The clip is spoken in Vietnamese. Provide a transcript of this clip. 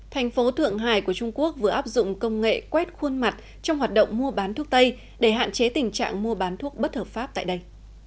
thành phố thượng hải của trung quốc vừa áp dụng công nghệ quét khuôn mặt trong hoạt động mua bán thuốc tây để hạn chế tình trạng mua bán thuốc bất hợp pháp tại đây